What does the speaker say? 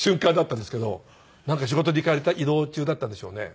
なんか仕事に行かれた移動中だったんでしょうね。